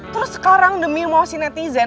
terus sekarang demi emosi netizen